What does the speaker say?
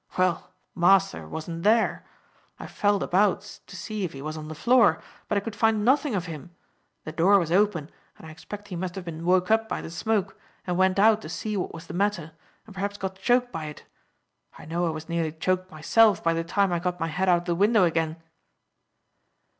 Well, master wasn't there. I felt about to see if he was on the floor, but I could find nothing of him; the door was open, and I expect he must have been woke up by the smoke, and went out to see what was the matter, and perhaps got choked by it. I know I was nearly choked myself by the time I got my head out of the window again."